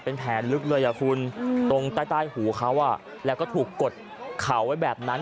เป็นแผลลึกเลยอ่ะคุณตรงใต้หูเขาแล้วก็ถูกกดเขาไว้แบบนั้น